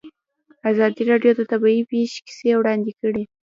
ازادي راډیو د طبیعي پېښې کیسې وړاندې کړي.